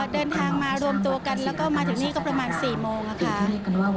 เดินทางมารวมตัวกันแล้วมาถึงที่นี่ก็ประมาณสี่โมงค่ะ